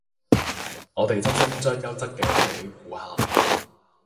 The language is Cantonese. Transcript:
我哋真心將優質嘅帶俾顧客